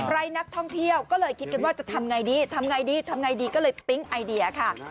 ใร่นักท่องเที่ยวก็เลยคิดว่าจะทำอย่างไรดีก็เลยครี๊งไอเดียค่ะ